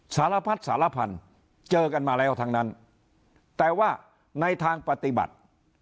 สารพัดสารพันธุ์เจอกันมาแล้วทั้งนั้นแต่ว่าในทางปฏิบัติ